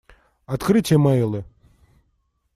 Открыть имейлы.